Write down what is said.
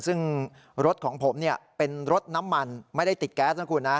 ซึ่งรถของผมเป็นรถน้ำมันไม่ได้ติดแก๊สนะคุณนะ